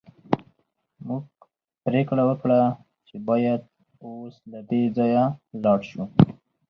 موږ پریکړه وکړه چې باید اوس له دې ځایه لاړ شو